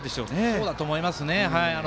そうだと思います。